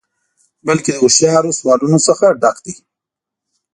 بلکې له هوښیارو سوالونو څخه ډک دی.